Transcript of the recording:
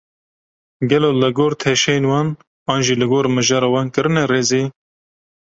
Gelo li gor teşeyên wan, an jî li gor mijara wan kirine rêzê?